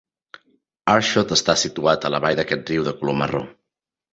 Aarschot està situat a la vall d'aquest riu de color marró.